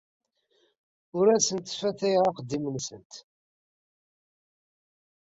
Ur asent-sfatayeɣ axeddim-nsent.